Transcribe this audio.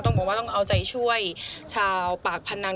บอกว่าต้องเอาใจช่วยชาวปากพนัง